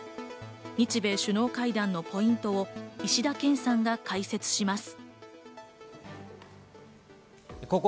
日米首脳会談のポイントを石田健さんが解説します。